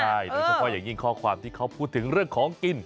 โดยเฉพาะอย่างยิ่งข้อความที่เขาพูดถึงเรื่องของกิน